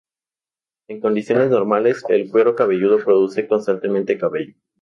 En condiciones normales el cuero cabelludo produce constantemente cabello.